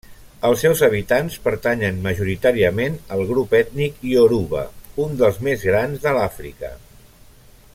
Els seus habitants pertanyen majoritàriament al grup ètnic ioruba, un dels més grans de l'Àfrica.